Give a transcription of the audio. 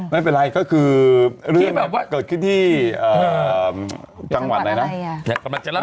ไม่เป็นไรก็คือเรื่องแบบว่าเกิดขึ้นที่จังหวัดไหนนะ